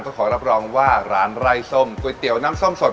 ก็ขอรับรองว่าร้านไร่ส้มก๋วยเตี๋ยวน้ำส้มสด